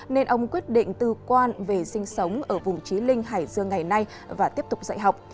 nên ông quyết định tư quan về sinh sống ở vùng trí linh hải dương ngày nay và tiếp tục dạy học